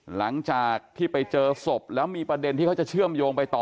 หลังจากที่ไปเจอศพแล้วมีประเด็นที่เขาจะเชื่อมโยงไปต่อ